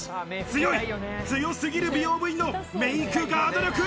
強い、強すぎる美容部員のメイクガード力！